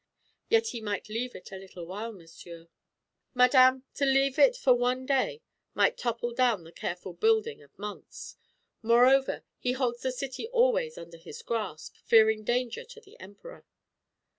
"Yet he might leave it a little while, monsieur." "Madame, to leave it for one day might topple down the careful building of months. Moreover, he holds the city always under his grasp, fearing danger to the Emperor."